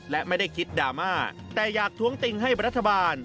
และไม่ได้คิดดราม่าแต่อยากท้วงติงให้รัฐบาล